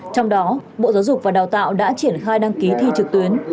trong đó bộ giáo dục và đào tạo đã triển khai đăng ký thi trực tuyến